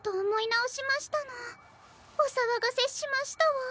おさわがせしましたわ。